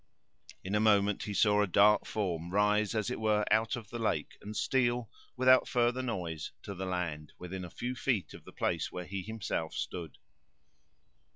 In a moment he saw a dark form rise, as it were, out of the lake, and steal without further noise to the land, within a few feet of the place where he himself stood.